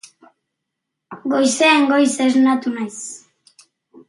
Goizean goiz esnatu naiz.